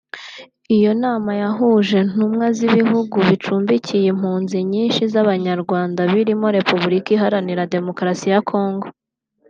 Iyo nama yahuje ntumwa z’ibihugu bicumbikiye impunzi nyinshi z’Abanyarwanda birimo Repubulika Iharanira Demokarasi ya Congo